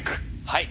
はい。